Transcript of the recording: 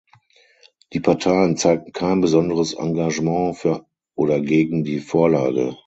Die Parteien zeigten kein besonderes Engagement für oder gegen die Vorlage.